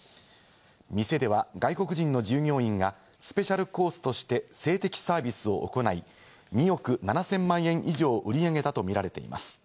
店では外国人の従業員がスペシャルコースとして性的サービスを行い、２億７０００万円以上を売り上げたとみられています。